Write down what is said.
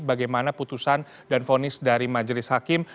bagaimana putusan dan fonis dari majelis hakim